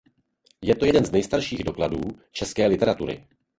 Je to jeden z nejstarších dokladů české literatury.